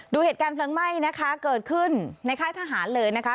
ดูเหตุการณ์เพลิงไหม้นะคะเกิดขึ้นในค่ายทหารเลยนะคะ